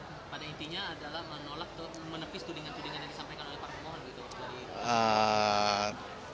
pada intinya adalah menolak menepis tudingan tudingan yang disampaikan oleh para penguat